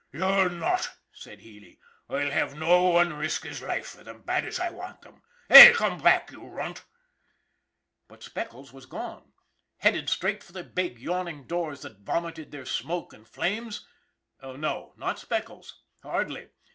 "You'll not!" said Healy. "I'll have no wan risk his life fer thim, bad as I want thim. Hey, come back, you runt !" But Speckles was gone. Headed straight for the big, yawning doors that vomited their smoke and flames? Oh, no, not Speckles! Hardly!